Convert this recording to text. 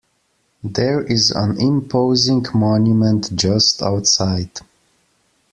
There is an imposing monument just outside.